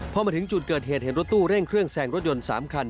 พอมาถึงจุดเกิดเหตุเห็นรถตู้เร่งเครื่องแซงรถยนต์๓คัน